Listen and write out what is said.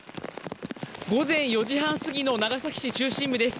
午前４時半すぎの長崎市中心部です。